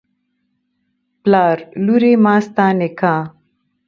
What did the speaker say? پلار: لورې ماستا نکاح